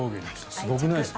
すごくないですか？